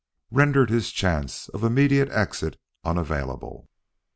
rendered this chance of immediate exit unavailable.